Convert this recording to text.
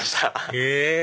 へぇ！